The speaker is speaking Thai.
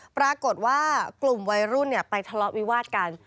ปรากฏว่ากลุ่มวัยรุ่นไปทะเลาะวิวาดกัน